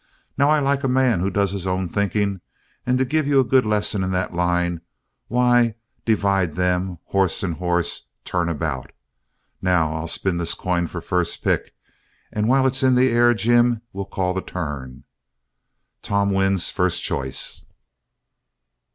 Now, I like a man who does his own thinking, and to give you a good lesson in that line, why, divide them, horse and horse, turn about. Now, I'll spin this coin for first pick, and while it's in the air, Jim will call the turn.... Tom wins first choice."